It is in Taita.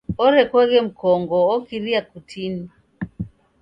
Orekoghe mkongo okiria kutini.